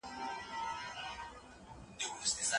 ځینې وزیران لېرې شول.